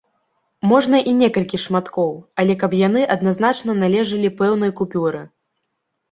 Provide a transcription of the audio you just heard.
Можна і некалькі шматкоў, але каб яны адназначна належалі пэўнай купюры.